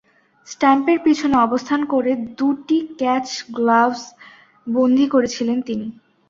স্ট্যাম্পের পিছনে অবস্থান করে দুইটি ক্যাচ গ্লাভস বন্দী করেছিলেন তিনি।